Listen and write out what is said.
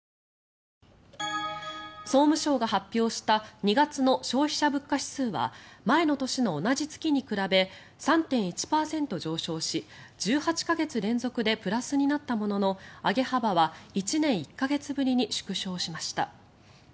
総務省が発表した２月の消費者物価指数は前の年の同じ月に比べ３．１％上昇し１８か月連続でプラスになったものの上げ幅は１年１か月ぶりに縮小しました。